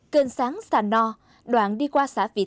kênh sáng sà no đoạn đi qua xã vị tà